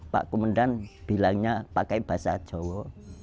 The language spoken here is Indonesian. pak kumendan bilangnya pakai bahasa jawa